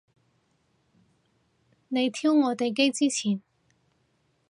你挑我哋機之前